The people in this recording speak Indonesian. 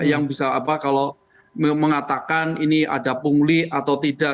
yang bisa apa kalau mengatakan ini ada pungli atau tidak